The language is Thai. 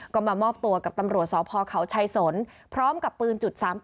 ก็มามอบตัวกับตำรวจสพเขาชัยสนพร้อมกับปืน๓๘